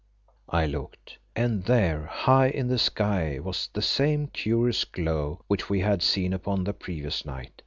I looked, and there high in the sky was the same curious glow which we had seen upon the previous night.